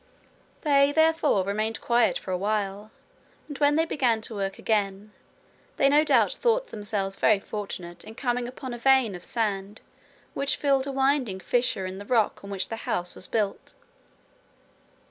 They, therefore, remained quiet for a while, and when they began to work again, they no doubt thought themselves very fortunate in coming upon a vein of sand which filled a winding fissure in the rock on which the house was built.